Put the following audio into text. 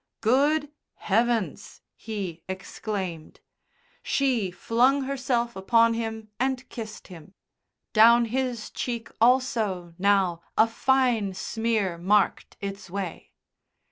"Good heavens!" he exclaimed. She flung herself upon him and kissed him; down his cheek also now a fine smear marked its way.